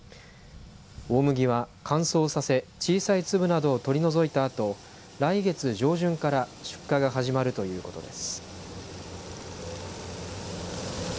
大麦は乾燥させ小さい粒などを取り除いたあと来月上旬から出荷が始まるということです。